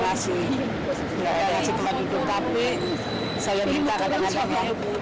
kasih tempat duduk tapi saya minta kadang kadang